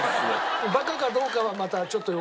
バカかどうかはまたちょっと横置いといて。